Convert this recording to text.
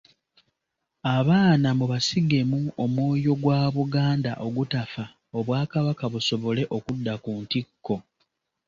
Abaana mubasigemu omwoyo gwa Buganda ogutafa Obwakabaka busobole okudda ku ntikko.